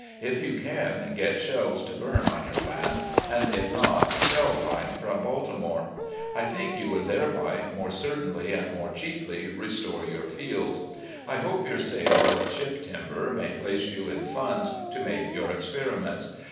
If you can, get shells to bum on your land, or, if not, shell lime from Baltimore. I think you would thereby more certainly and more cheaply restore your fields. I hope yoxir sale of ship timber may place you in funds to make your experiments.